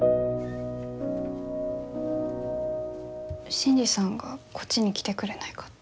新次さんがこっちに来てくれないかって。